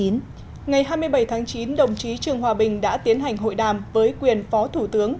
ngày hai mươi bảy tháng chín đồng chí trương hòa bình đã tiến hành hội đàm với quyền phó thủ tướng